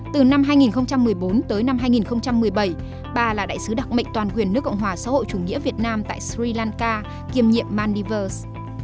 từ năm hai nghìn một mươi bốn tới năm hai nghìn một mươi bảy bà là đại sứ đặc mệnh toàn quyền nước cộng hòa xã hội chủ nghĩa việt nam tại sri lanka kiêm nhiệm maldives